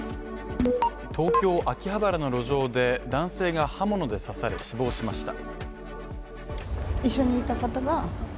東京・秋葉原の路上で男性が刃物で刺され死亡しました。